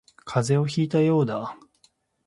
風邪をひいたようだ